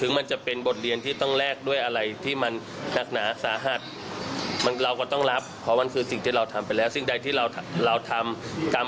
เราจะเอาบทเรียนครั้งนั้นให้มันเป็นครั้งสุดท้าย